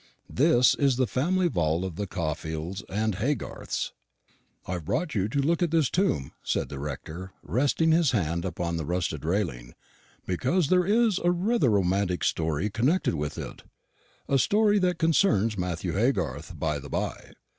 This is the family vault of the Caulfields and Haygarths. "I've brought you to look at this tomb," said the rector, resting his hand upon the rusted railing, "because there is rather a romantic story connected with it a story that concerns Matthew Haygarth, by the bye.